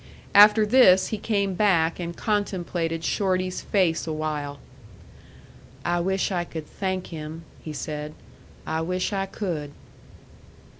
After this he came back and contemplated Shorty's face awhile. "I wish I could thank him," he said. "I wish I could."